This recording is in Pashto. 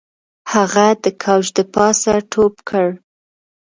هغه د کوچ د پاسه ټوپ کړ